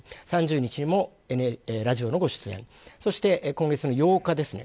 ３０日にもラジオのご出演そして今月の８日ですね。